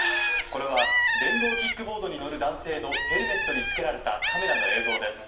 これは電動キックボードに乗る男性のヘルメットにつけられたカメラの映像です。